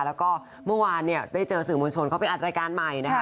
แล้วก็เมื่อวานเนี่ยได้เจอสื่อมวลชนเขาไปอัดรายการใหม่นะคะ